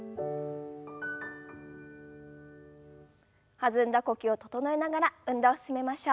弾んだ呼吸を整えながら運動を進めましょう。